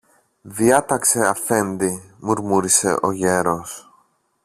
Διάταξε, Αφέντη, μουρμούρισε ο γέρος.